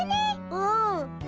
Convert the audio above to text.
うん。